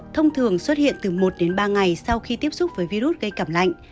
thông thường xuất hiện từ một đến ba ngày sau khi tiếp xúc với virus gây cảm lạnh